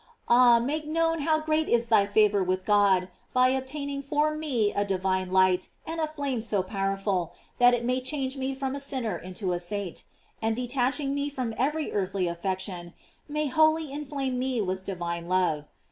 Ah, make known how great is thy favor with G^d by obtaining for me a divine light and a flame so powerful that it may change me from a sinner into a saint, and. detaching me from every earthly affection, may wholly inflame me with divine love.